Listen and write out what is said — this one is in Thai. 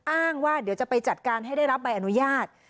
อ้างว่าเดี๋ยวจะไปจัดการให้ได้รับใบอนุญาต